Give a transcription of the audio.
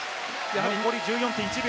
残り１４．１秒。